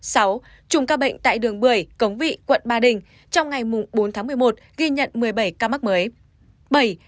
trùng ca bệnh tại đường bưởi cống vị quận ba đình trong ngày bốn tháng một mươi một ghi nhận một mươi bảy ca mắc mới